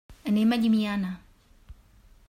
Anem a Llimiana.